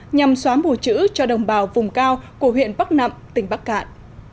nhằm xóa mù chữ cho đồng bào vùng cao của huyện bắc nậm tỉnh bắc cạn